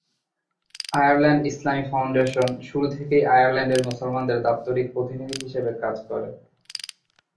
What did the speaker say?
Ireland ইসলামী foundation শুরু থেকেই আয়ারল্যান্ডের মুসলমানদের দাপ্তরিক প্রতিনিধি হিসাবে কাজ করে।